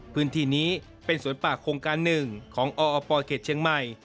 พื้นที่นี้เป็นสวนป่าโครงการหนึ่งของออปเขตเชียงใหม่